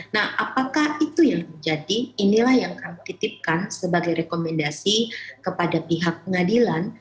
nah apakah itu yang terjadi inilah yang kami titipkan sebagai rekomendasi kepada pihak pengadilan